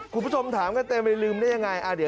คุณผู้ชมถามกันเต็มเลยลืมได้ยังไง